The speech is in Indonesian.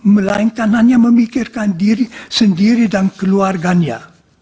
melainkan hanya memikirkan diri sendiri dan keluarganya